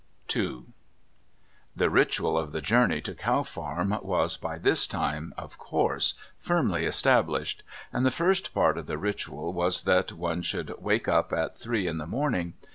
II The ritual of the journey to Cow Farm was, by this time, of course, firmly established, and the first part of the ritual was that one should wake up at three in the morning.